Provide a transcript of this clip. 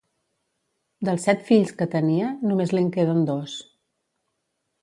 Dels set fills que tenia, només li'n queden dos.